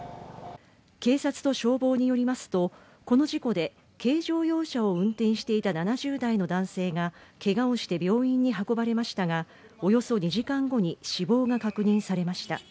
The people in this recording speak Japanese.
警察と消防によりますとこの事故で軽乗用車を運転していた７０代の男性がけがをして病院に運ばれましたがおよそ２時間後に死亡が確認されました。